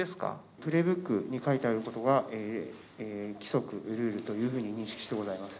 プレイブックに書いてあることが規則・ルールというふうに認識してございます。